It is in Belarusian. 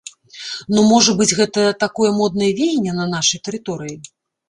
Ну, можа быць, гэта такое моднае веянне на нашай тэрыторыі?!